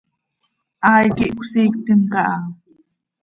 Hai quih cösiictim caha.